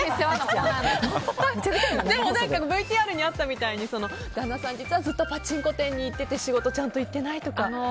でも、ＶＴＲにあったみたいに旦那さん実はずっとパチンコ店に行ってて仕事ちゃんと行ってないとか。